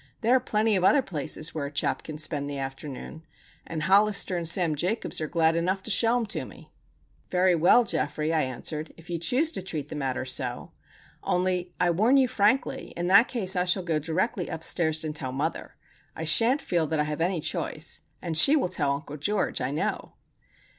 There are plenty of other places where a chap can spend the afternoon, and Hollister and Sam Jacobs are glad enough to show 'em to me." "Very well, Geoffrey," I answered. "If you choose to treat the matter so! Only, I warn you frankly, in that case I shall go directly upstairs and tell mother,—I shan't feel that I have any choice,—and she will tell Uncle George, I know."